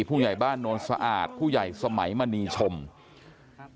ผู้ใหญ่บ้านโนนสะอาดผู้ใหญ่สมัยมณีชม